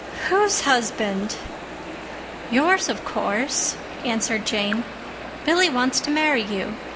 "Whose husband?" "Yours, of course," answered Jane. "Billy wants to marry you.